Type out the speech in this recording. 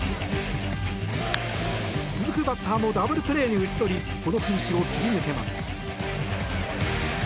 続くバッターもダブルプレーに打ち取りこのピンチを切り抜けます。